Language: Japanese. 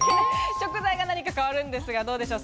食材が何か変わるんですが、どうでしょう？